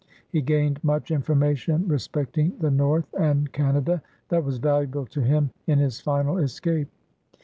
He gained much information respecting the North and Canada, that was valuable to him in his final escape.